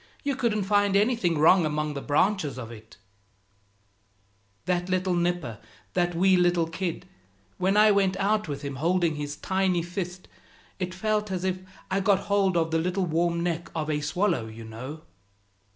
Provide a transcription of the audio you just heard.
You couldn't find anything wrong among the branches of it " "That little nipper, that wee little kid, when I went out with him, holding his tiny fist, it felt as if I'd got hold of the little warm neck of a swallow, you know."